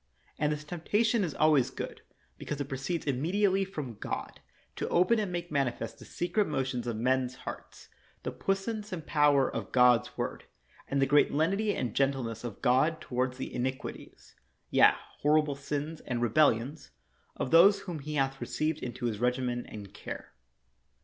And this temptation is always good be cause it proceeds immediately from God, to open and make manifest the secret motions of men's hearts, the puissance and power of God's word and the great lenity and gentleness of God toward the iniquities (yea, horrible sins and re bellions) of those whom he hath received into his regimen and care.